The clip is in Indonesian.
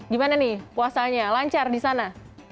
gimana nih puasanya lancar di sana